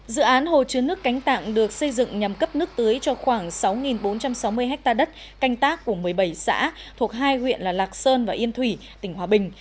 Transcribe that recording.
dự án hồ chứa nước cánh tạng được xây dựng nhằm cấp nước tưới cho khoảng sáu bốn trăm sáu mươi ha đất canh tác của một mươi bảy xã thuộc hai huyện là lạc sơn và yên thủy tỉnh hòa bình